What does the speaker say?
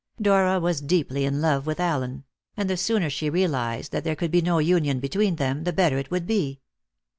Dora was deeply in love with Allen; and the sooner she realized that there could be no union between them, the better it would be.